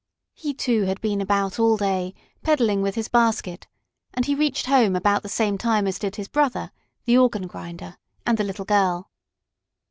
He, too, had been about all day, peddling with his basket, and he reached home about the same time as did his brother, the organ grinder, and the little girl.